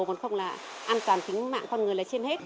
còn không là an toàn tính mạng con người là trên hết